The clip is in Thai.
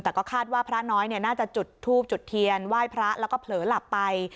แต่ก็คาดว่าพระน้อยน่าจะจุดทูบจุดเทียนไหว้พระแล้วก็เผลอหลับไป